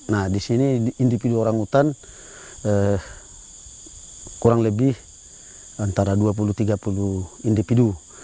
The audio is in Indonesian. nah di sini individu orang hutan kurang lebih antara dua puluh tiga puluh individu